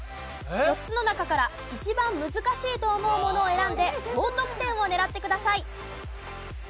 ４つの中から一番難しいと思うものを選んで高得点を狙ってください。